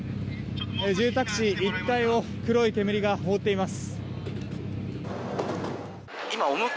住宅地一帯を黒い煙が覆っています。